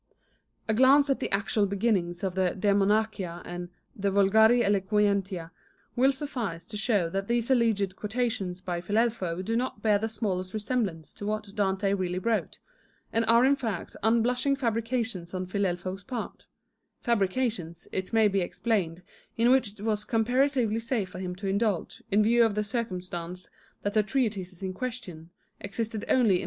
A glance at the actual beginnings of the De Monarchia and De Vulgari Eloquentia will suffice to show that these alleged quotations by Filelfo do not bear the smallest resemblance to what Dante really wrote, and are in fact unblushing fabrications on FilehVs part — fabrications, it may be explained, in which it was comparatively safe for him to indulge, in view of the circumstance that the treatises in question existed only in MS.